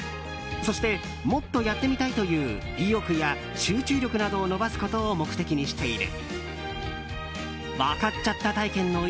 そして、もっとやってみたい！という意欲や集中力などを伸ばすことを目的にしている。